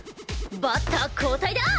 バッター交代だ！